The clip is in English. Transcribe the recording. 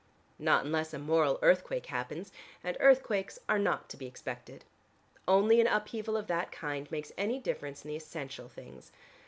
"Not unless a moral earthquake happens and earthquakes are not to be expected. Only an upheaval of that kind makes any difference in the essential things.